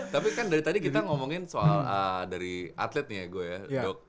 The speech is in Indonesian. tapi kan dari tadi kita ngomongin soal dari atlet nih ego ya